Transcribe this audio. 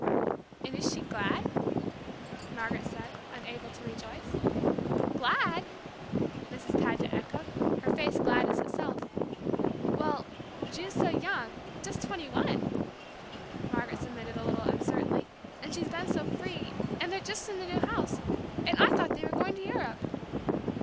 "And is she glad?" Margaret said, unable to rejoice. "Glad?" Mrs. Paget echoed, her face gladness itself. "Well, Ju's so young, just twenty one," Margaret submitted a little uncertainly; "and she's been so free, and they're just in the new house! And I thought they were going to Europe!"